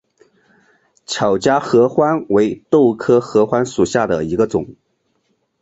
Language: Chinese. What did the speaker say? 巧家合欢为豆科合欢属下的一个种。